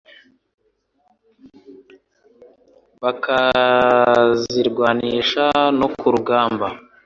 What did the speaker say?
bakazirwanisha no ku rugamba